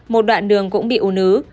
một đoạn đường cũng bị u nứ